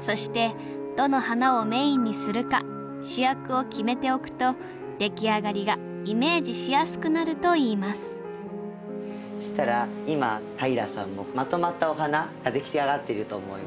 そしてどの花をメインにするか主役を決めておくとできあがりがイメージしやすくなるといいますそしたら今平さんもまとまったお花ができあがっていると思います。